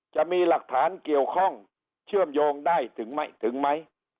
จะมีหลักฐานเกี่ยวข้องเชื่อมโยงได้ถึงไหม